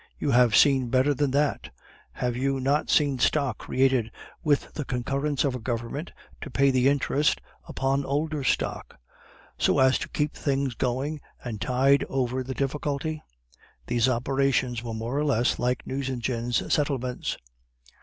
You have seen better than that. Have you not seen stock created with the concurrence of a government to pay the interest upon older stock, so as to keep things going and tide over the difficulty? These operations were more or less like Nucingen's settlements."